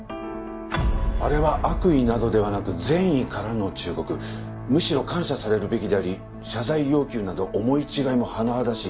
「あれは悪意などではなく善意からの忠告」「むしろ感謝されるべきであり謝罪要求など思い違いも甚だしい」